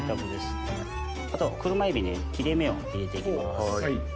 あと車エビに切れ目を入れて行きます。